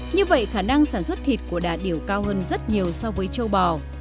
như vậy khả năng sản xuất thịt của đà điểu cao hơn rất nhiều so với châu bò